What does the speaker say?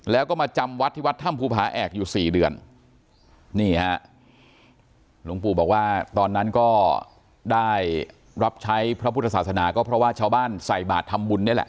แล้วก็มาจำวัดที่วัดถ้ำภูผาแอกอยู่สี่เดือนนี่ฮะหลวงปู่บอกว่าตอนนั้นก็ได้รับใช้พระพุทธศาสนาก็เพราะว่าชาวบ้านใส่บาททำบุญนี่แหละ